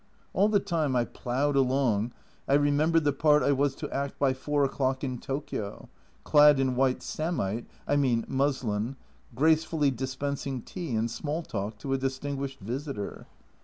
All the time I ploughed along I remembered the part I was to act by 4 o'clock in Tokio, clad in white samite (I mean muslin), gracefully dispensing tea and small talk to a distinguished visitor.